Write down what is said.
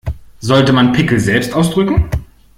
Sollte man Pickel selbst ausdrücken?